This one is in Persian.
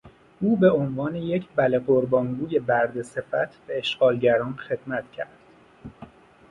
او به عنوان یک بله قربان گوی برده صفت به اشغالگران خدمت کرد.